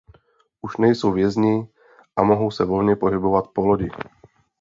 Už nejsou vězni a mohou se volně pohybovat po lodi.